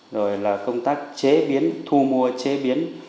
rồi là công tác chế biến thu mua chế biến